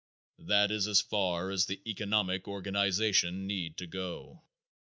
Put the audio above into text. That is as far as the economic organization need to go.